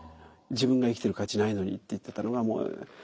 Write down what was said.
自分が生きてる価値ないのにって言ってたのがもう。